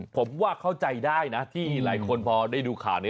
ผมว่าเข้าใจได้นะที่หลายคนพอได้ดูข่าวนี้